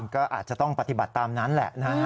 ก็อาจจะต้องปฏิบัติตามนั้นแหละนะฮะ